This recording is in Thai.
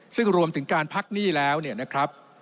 ซึ่งรวมถึงการพักหนี้แล้วเนี่ยนะครับ